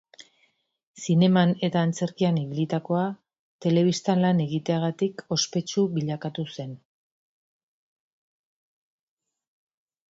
Zineman eta antzerkian ibilitakoa, telebistan lan egiteagatik ospetsu bilakatu zen.